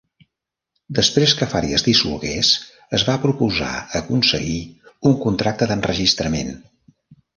Després que Fari es dissolgués, es va proposar aconseguir un contracte d'enregistrament.